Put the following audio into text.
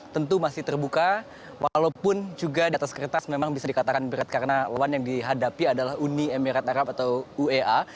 tentu masih terbuka walaupun juga di atas kertas memang bisa dikatakan berat karena lawan yang dihadapi adalah uni emirat arab atau uea